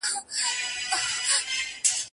را رسوا مي جانان نه کړې چي نن شپه ماته راځینه